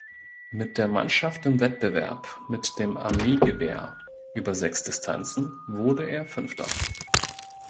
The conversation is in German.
Mit der Mannschaft im Wettbewerb mit dem Armeegewehr über sechs Distanzen wurde er Fünfter.